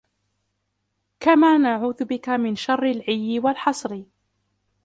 كَمَا نَعُوذُ بِك مِنْ شَرِّ الْعِيِّ وَالْحَصْرِ